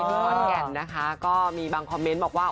ขอนแก่นนะคะก็มีบางคอมเมนต์บอกว่า